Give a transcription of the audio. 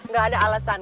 gak ada alasan